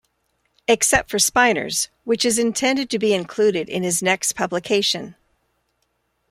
Except for Spinors, which is intended to be included in his next publication.